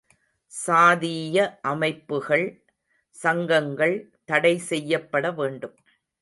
சாதீய அமைப்புகள், சங்கங்கள் தடை செய்யப்படவேண்டும்.